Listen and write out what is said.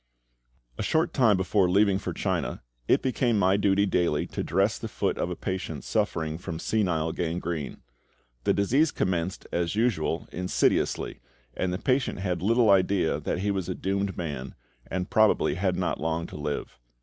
A short time before leaving for China, it became my duty daily to dress the foot of a patient suffering from senile gangrene. The disease commenced, as usual, insidiously, and the patient had little idea that he was a doomed man, and probably had not long to live.